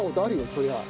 そりゃ。